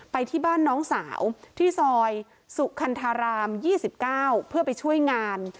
ไปที่บ้านน้องสาวที่ซอยสุคันธาราม๒๙เพื่อไปช่วยงาน